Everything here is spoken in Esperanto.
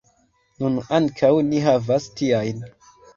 Nun ankaŭ ni havas tiajn.